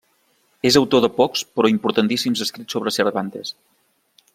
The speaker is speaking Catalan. És autor de pocs però importantíssims escrits sobre Cervantes.